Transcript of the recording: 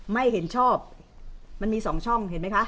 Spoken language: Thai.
ไม่เห็นชอบมันมี๒ช่องเห็นไหมคะ